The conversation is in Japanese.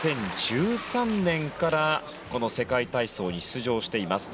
２０１３年からこの世界体操に出場しています。